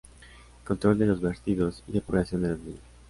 Control de los vertidos y depuración de los mismos.